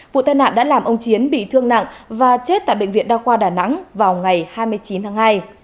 vụ tai nạn đã làm ông chiến bị thương nặng và chết tại bệnh viện đa khoa đà nẵng vào ngày hai mươi chín tháng hai